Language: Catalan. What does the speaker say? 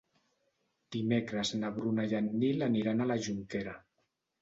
Dimecres na Bruna i en Nil aniran a la Jonquera.